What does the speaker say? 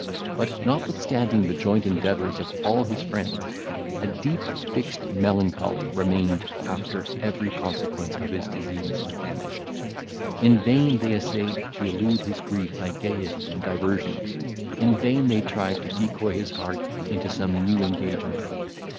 But notwithstanding the joint endeavours of all his friends, a deep fixed melancholy remained after every consequence of his disease had vanished. In vain they essayed to elude his grief by gaiety and diversions, in vain they tried to decoy his heart into some new engagement.